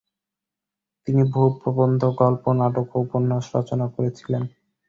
তিনি বহু প্রবন্ধ, গল্প, নাটক ও উপন্যাস রচনা করেছিলেন।